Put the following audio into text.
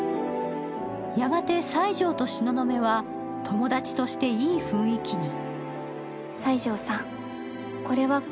やがて西条と東雲は友達としていい雰囲気に。